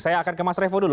saya akan ke mas revo dulu